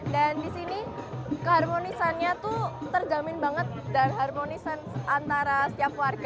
dan disini keharmonisannya tuh terjamin banget dan harmonisan antara setiap warga